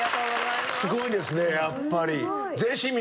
すごいですねやっぱり。